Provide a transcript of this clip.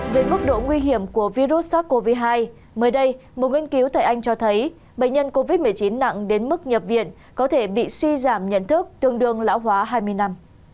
về mức độ nguy hiểm của virus sars cov hai mới đây một nghiên cứu tại anh cho thấy bệnh nhân covid một mươi chín nặng đến mức nhập viện có thể bị suy giảm nhận thức tương đương lão hóa hai mươi năm